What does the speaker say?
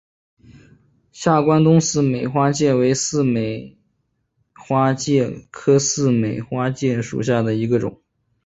下关东似美花介为似美花介科似美花介属下的一个种。